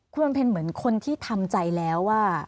คุณบำเพ็ญเหมือนคนที่ทำใจแล้วว่า